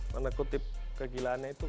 mana kutip kegilaannya itu